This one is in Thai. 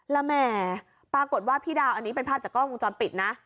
แล้วแหมปรากฏว่าพี่ดาวอันนี้เป็นภาพจากกล้องวงจรปิดนะ